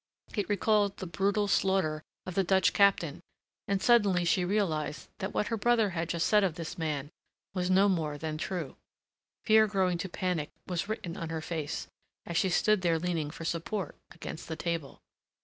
It recalled the brutal slaughter of the Dutch captain, and suddenly she realized that what her brother had just said of this man was no more than true. Fear growing to panic was written on her face, as she stood there leaning for support against the table.